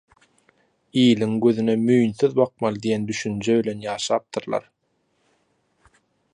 iliň gözüne müýnsiz bakmaly diýen düşünje bilen ýaşapdyrlar.